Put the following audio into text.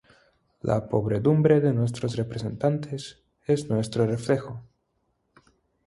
La pobredumbre de nuestros representantes es nuestro reflejo